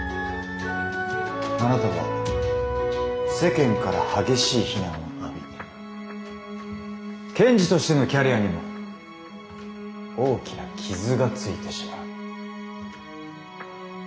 あなたは世間から激しい非難を浴び検事としてのキャリアにも大きな傷がついてしまう。